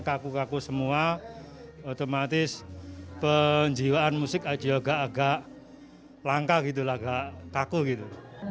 kaku kaku semua otomatis penjiwaan musik aja agak agak langka gitu agak kaku gitu